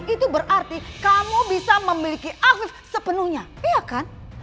itu berarti kamu bisa memiliki afif sepenuhnya iya kan